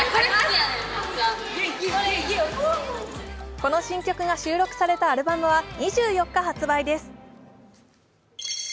この新曲が収録されたアルバムは２４日発売です。